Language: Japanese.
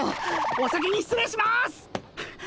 お先に失礼します！